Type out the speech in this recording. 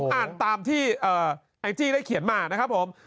อ่านตามที่แองจี้ได้เขียนมานะครับผม